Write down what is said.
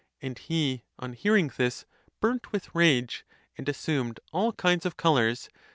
And he, on hearing this, burnt with rage, and Zassumed all kinds of colours?